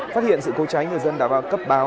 phát hiện sự cố cháy người dân đã vào cấp báo